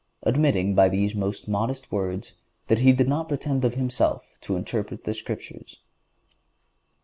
(148) admitting, by these modest words, that he did not pretend of himself to interpret the Scriptures.